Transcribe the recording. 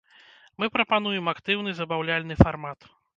Мы прапануем актыўны забаўляльны фармат.